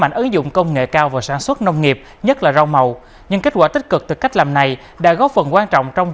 nhờ áp dụng công nghệ vào quy trình sản xuất giá thành sản phẩm giảm năng suất tăng